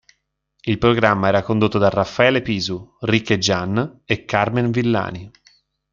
Il programma era condotto da Raffaele Pisu, Ric e Gian e Carmen Villani.